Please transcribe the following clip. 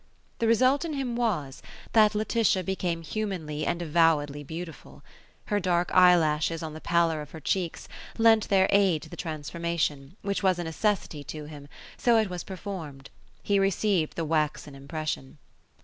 The result in him was, that Laetitia became humanly and avowedly beautiful. Her dark eyelashes on the pallor of her cheeks lent their aid to the transformation, which was a necessity to him, so it was performed. He received the waxen impression.